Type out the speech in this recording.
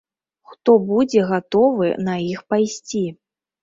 Хто будзе гатовы на іх пайсці?